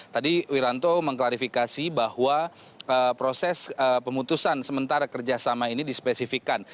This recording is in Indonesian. tadi wiranto mengklarifikasi bahwa proses pemutusan sementara kerjasama ini dispesifikan